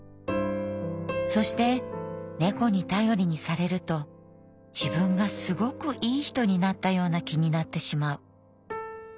そして猫に頼りにされると自分がすごくいい人になったような気になってしまう。